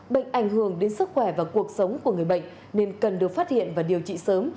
bệnh ảnh hưởng đến sức khỏe và cuộc sống của người bệnh nên cần được phát hiện và điều trị sớm